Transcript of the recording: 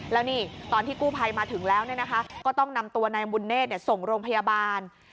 แล้วนี่ตอนที่กู้ภัยมาถึงแล้วก็ต้องนำตัวนายบุญเนธส่งโรงพยาบาล